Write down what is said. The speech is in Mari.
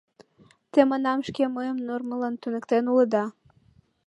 — Те, манам, шке мыйым нормылан туныктен улыда...